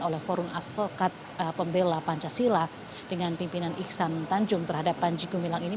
oleh forum advokat pembela pancasila dengan pimpinan iksan tanjung terhadap panji gumilang ini